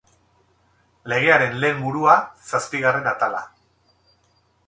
Legearen lehen burua, zazpigarren atala.